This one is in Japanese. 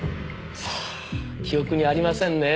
さあ記憶にありませんねぇ。